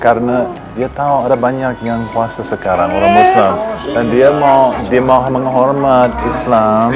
ya karena dia tahu ada banyak yang kuasa sekarang orang muslim dan dia mau dia mau menghormat islam